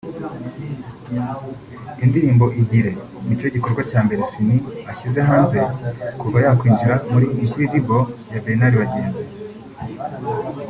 Indirimbo Igire nicyo gikorwa cya mbere Ciney ashyize hanze kuva yakwinjira muri Incredible ya Bernard Bagenzi